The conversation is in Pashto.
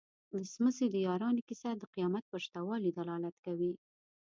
د څمڅې د یارانو کيسه د قيامت پر شته والي دلالت کوي.